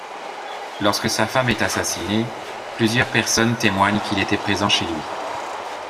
Lorsque sa femme est assassinée, plusieurs personnes témoignent qu'il était présent chez lui.